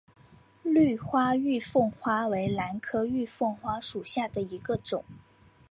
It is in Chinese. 绿花玉凤花为兰科玉凤花属下的一个种。